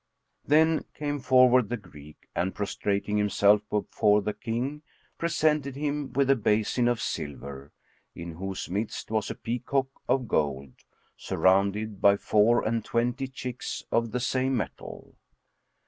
Then came forward the Greek and, prostrating himself before the King, presented him with a basin of silver, in whose midst was a peacock of gold, surrounded by four and twenty chicks of the same metal.